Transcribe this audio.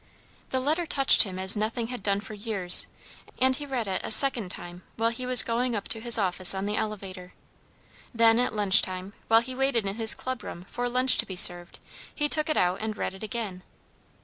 The letter touched him as nothing had done for years, and he read it a second time while he was going up to his office on the elevated. Then at lunch time, while he waited in his club room, for lunch to be served, he took it out and read it again.